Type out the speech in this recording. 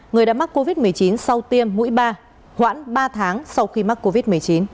người đã mắc covid một mươi chín sau tiêm mũi ba hoãn ba tháng sau khi mắc covid một mươi chín